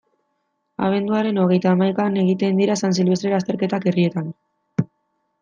Abenduaren hogeita hamaikan egiten dira San Silvestre lasterketak herrietan.